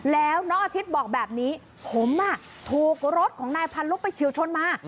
แล้วน้องอาทิตย์บอกแบบนี้ผมถูกรถของนายพันลบไปเฉียวชนมา